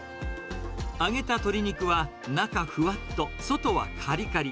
揚げた鶏肉は中ふわっと、外はかりかり。